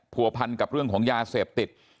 ผัวพันกับเรื่องของยาเสพติด